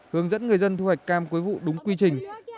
hướng dẫn người dân thu hoạch cam cuối vụ đúng quy trình